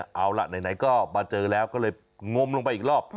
เอาล่ะไหนก็มาเจอแล้วก็เลยงมลงไปอีกรอบ